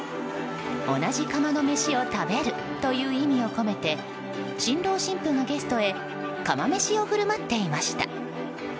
同じ釜の飯を食べるという意味を込めて新郎新婦がゲストへ釜飯を振る舞っていました。